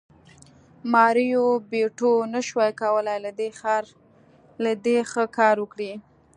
ماریو بیوټو نشوای کولی له دې ښه کار وکړي